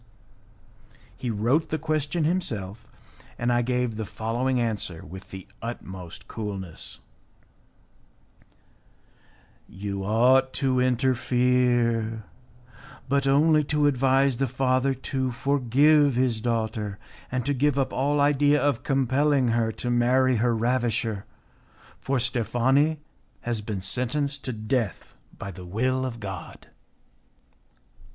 He wrote the question himself, and I gave the following answer with the utmost coolness: "You ought to interfere, but only to advise the father to forgive his daughter and to give up all idea of compelling her to marry her ravisher, for Steffani has been sentenced to death by the will of God."